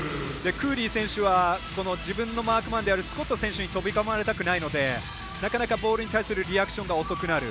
クーリー選手は自分のマークマンであるスコット選手に飛び込まれたくないのでなかなかボールに対するリアクションが遅くなる。